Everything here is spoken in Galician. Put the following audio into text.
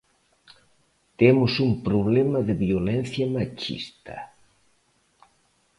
Temos un problema de violencia machista.